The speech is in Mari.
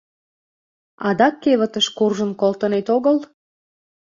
— Адак кевытыш куржын колтынет огыл?